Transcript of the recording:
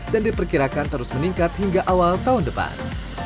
dan diperkirakan terus meningkat hingga awal tahun depan